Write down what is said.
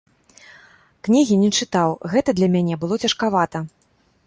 Кнігі не чытаў, гэта для мяне было цяжкавата.